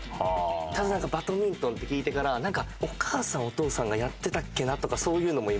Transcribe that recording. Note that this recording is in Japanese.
ただなんかバドミントンって聞いてからなんかお母さんお父さんがやってたっけなとかそういうのも今。